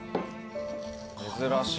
珍しい。